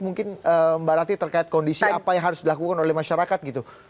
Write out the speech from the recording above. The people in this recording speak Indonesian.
mungkin mbak rati terkait kondisi apa yang harus dilakukan oleh masyarakat gitu